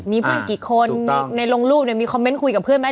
มีเพื่อนกี่คนในลงรูปเนี่ยมีคอมเมนต์คุยกับเพื่อนไหม